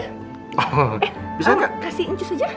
eh bisa nggak kasih incus aja